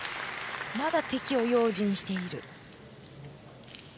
まだ敵を用心している。